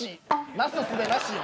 なすすべなしよ。